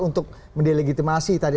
untuk delegitimasi tadi